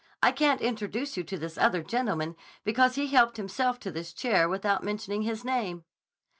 I can't introduce you to this other gentleman because he helped himself to this chair without mentioning his name.